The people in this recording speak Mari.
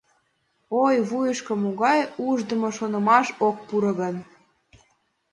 Ой, вуйышко могай ушдымо шонымаш ок пуро гын?..